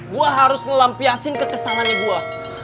gua harus ngelampiasin kekesalannya gua